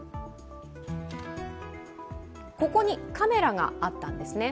ここにカメラがあったんですね。